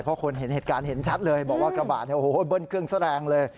เพราะคนเห็นเหตุการณ์เห็นชัดเลยบอกว่ากระบะเบิ้ลเครื่องแสดงเลย